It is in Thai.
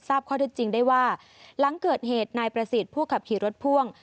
ข้อเท็จจริงได้ว่าหลังเกิดเหตุนายประสิทธิ์ผู้ขับขี่รถพ่วง